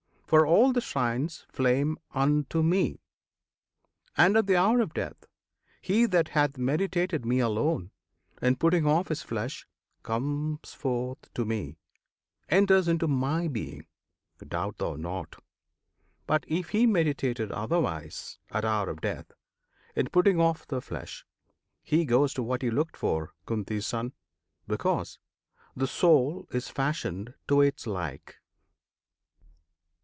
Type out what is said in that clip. (for all the shrines Flame unto Me!) And, at the hour of death, He that hath meditated Me alone, In putting off his flesh, comes forth to Me, Enters into My Being doubt thou not! But, if he meditated otherwise At hour of death, in putting off the flesh, He goes to what he looked for, Kunti's Son! Because the Soul is fashioned to its like.